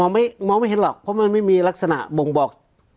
มองไม่มองไม่เห็นหรอกเพราะมันไม่มีลักษณะบ่งบอก